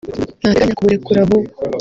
ntategenya kuburekura vuba